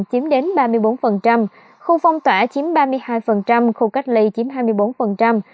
chiếm đến ba mươi bốn khu phong tỏa chiếm ba mươi hai khu cách ly chiếm hai mươi bốn